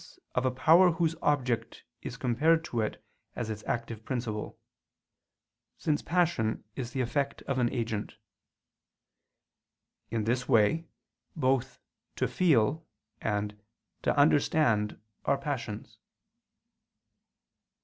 of a power whose object is compared to it as its active principle: since passion is the effect of an agent. In this way, both to feel and to understand are passions.